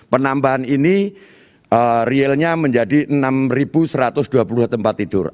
penambahan ini realnya menjadi enam satu ratus dua puluh dua tempat tidur